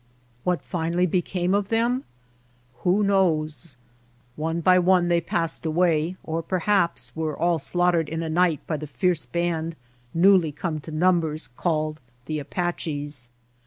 What finally became of them ? Who knows ? One by one they passed away, or perhaps were all slaughtered in a night by the fierce band newly come to numbers called the Apaches.